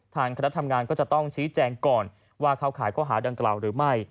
คณะทำงานก็จะต้องชี้แจงก่อนว่าเข้าข่ายข้อหาดังกล่าวหรือไม่